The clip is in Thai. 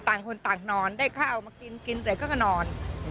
ต่างคนต่างนอนได้ข้าวมากินกินเสร็จก็นอน